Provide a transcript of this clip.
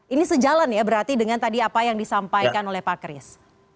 ini sejalan ya berarti dengan tadi apa yang disampaikan oleh pak kris